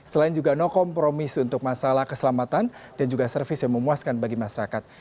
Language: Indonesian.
selain juga no compromise untuk masalah keselamatan dan juga service yang memuaskan bagi masyarakat